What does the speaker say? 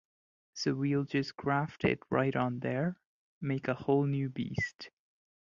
So we'll just graft it right on there, make a whole new beast.